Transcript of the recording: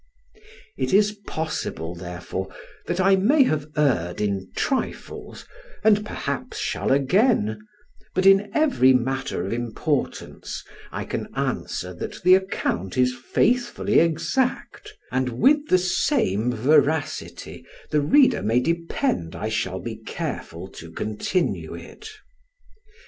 It is possible, therefore, that I may have erred in trifles, and perhaps shall again, but in every matter of importance I can answer that the account is faithfully exact, and with the same veracity the reader may depend I shall be careful to continue it.